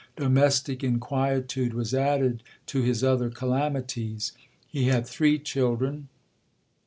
Domestic inquietude was added to his other calamities. He had three children.